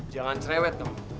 jangan cerewet dong